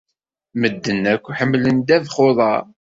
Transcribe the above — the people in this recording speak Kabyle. Medden akk ḥemmlen ddabex n uḍar.